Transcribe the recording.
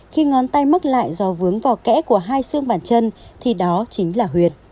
khi ngón tay mắc lại do vướng vào kẽ của hai xương bản chân thì đó chính là huyệt